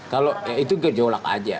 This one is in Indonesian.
kalau itu gejolak aja